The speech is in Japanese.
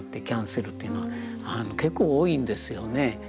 キャンセルというのは結構多いんですよね。